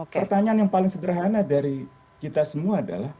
pertanyaan yang paling sederhana dari kita semua adalah